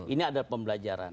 ini adalah pembelajaran